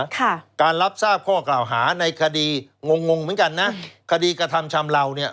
ค่ะการรับทราบข้อกล่าวหาในคดีงงงงงเหมือนกันนะคดีกระทำชำเลาเนี่ย